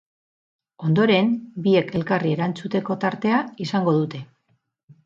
Ondoren, biek elkarri erantzuteko tartea izango dute.